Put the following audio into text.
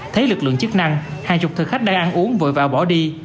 thấy lực lượng chức năng hàng chục thực khách đang ăn uống vội và bỏ đi